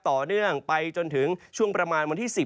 ต่อเนื่องไปจนถึงช่วงประมาณวันที่๑๐